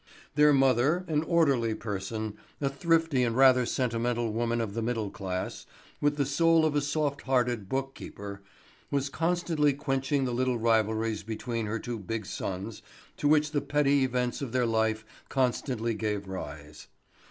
Their mother, an orderly person, a thrifty and rather sentimental woman of the middle class, with the soul of a soft hearted book keeper, was constantly quenching the little rivalries between her two big sons to which the petty events of their life constantly gave rise.